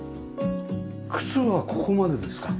靴はここまでですか？